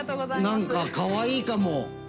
何かかわいいかも。